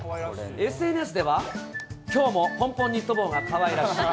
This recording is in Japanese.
ＳＮＳでは、きょうもポンポンニット帽がかわいらしい。